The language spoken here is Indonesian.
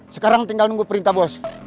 sekarang tinggal nunggu perintah bos